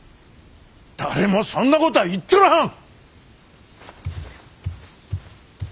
誰もそんなことは言っとらん！